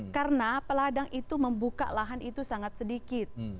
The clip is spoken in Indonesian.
karena peladang itu membuka lahan itu sangat sedikit